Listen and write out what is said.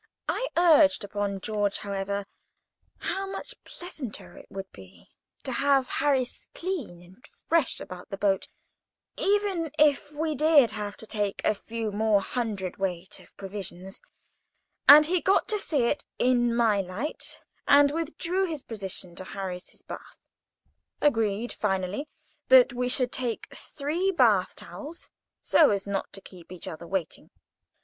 I urged upon George, however, how much pleasanter it would be to have Harris clean and fresh about the boat, even if we did have to take a few more hundredweight of provisions; and he got to see it in my light, and withdrew his opposition to Harris's bath. Agreed, finally, that we should take three bath towels, so as not to keep each other waiting.